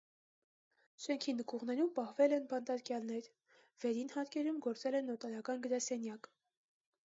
Շենքի նկուղներում պահվել են բանտարկյալներ, վերին հարկերում գործել է նոտարական գրասենյակ։